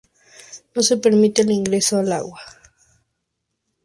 No se permite el ingreso al agua.